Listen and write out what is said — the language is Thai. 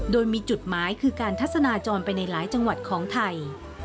โดยมีจุดหมายคือการทัศนาจรไปในหลายจังหวัดของไทย